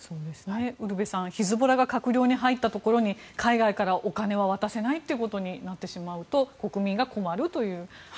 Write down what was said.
ウルヴェさんヒズボラが閣僚に入ったところに海外からお金は渡せないということになってしまうと国民が困るという。